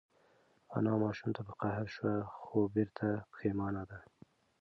انا ماشوم ته په قهر شوه خو بېرته پښېمانه ده.